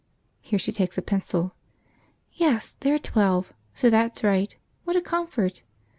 (Here she takes a pencil.) Yes, they are twelve, so that's right; what a comfort!